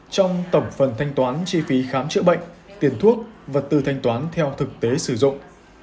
trong tổng phần thanh toán chi phí khám chữa bệnh tiền thuốc vật tư thanh toán theo thực tế sử dụng